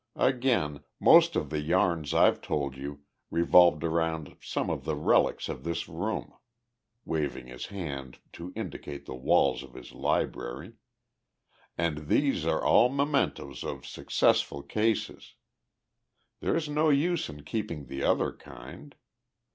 Again, most of the yarns I've told you revolved around some of the relics of this room" waving his hand to indicate the walls of his library "and these are all mementoes of successful cases. There's no use in keeping the other kind.